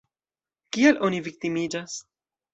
Kial oni viktimiĝas?